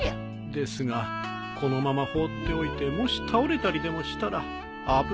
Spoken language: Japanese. ですがこのまま放っておいてもし倒れたりでもしたら危ないですから。